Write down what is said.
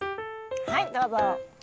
はいどうぞ。